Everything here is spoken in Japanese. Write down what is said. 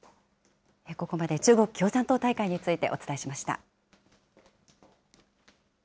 ここまで中国共産党大会についてお伝えしました。